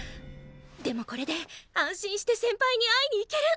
でもこれで安心して先輩に会いに行ける！